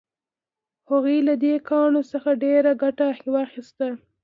هغوی له دې کاڼو څخه ډیره ګټه واخیسته.